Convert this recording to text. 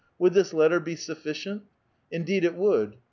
'' Would this letter be sufficient ?"" Indeed, it would."